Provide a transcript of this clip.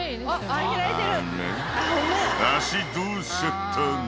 脚どうしちゃったの？